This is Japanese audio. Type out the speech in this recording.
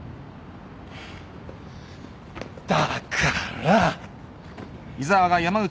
だから。